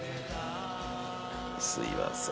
すいません